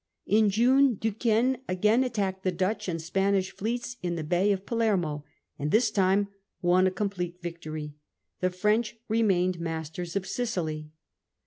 In June Duquesne again attacked the Dutch and Spanish fleets in the Bay of Palermo, and this time won a complete victory. The French remained masters of Sicily.